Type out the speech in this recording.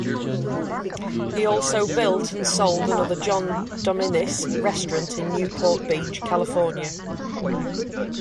He also built and sold another John Dominis Restaurant in Newport Beach, California.